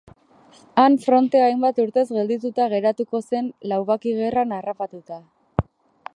Han frontea hainbat urtez geldituta geratuko zen lubaki-gerran harrapatuta.